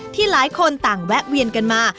หลายคนต่างแวะเวียนกันมา